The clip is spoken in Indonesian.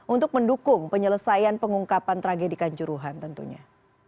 untuk mendukung penyelesaian pengungkapan tragedikan juruhan tentunya